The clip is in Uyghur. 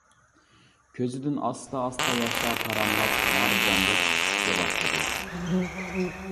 كۆزىدىن ئاستا-ئاستا ياشلار تاراملاپ مارجاندەك چۈشۈشكە باشلىدى.